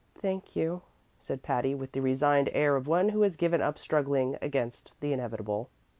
"Thank you," said Patty, with the resigned air of one who has given up struggling against the inevitable.